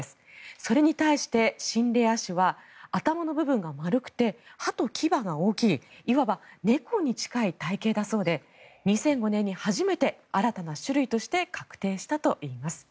それに対して秦嶺亜種は頭の部分が丸くて歯と牙が大きいいわば猫に近い体形だそうで２００５年に初めて新たな種類として確定したと言います。